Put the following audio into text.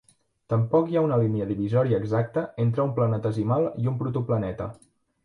Tampoc hi ha una línia divisòria exacta entre un planetesimal i un protoplaneta.